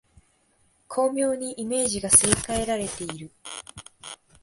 巧妙にイメージがすり替えられている